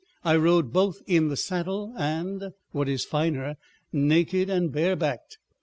I rode both in the saddle and, what is finer, naked and barebacked.